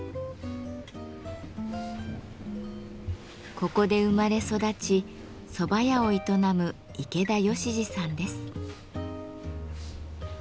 ここで生まれ育ちそば屋を営む池田善寿さんです。